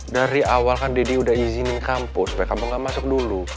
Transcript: dari awal kan deddy udah izinin kampus supaya kampung gak masuk dulu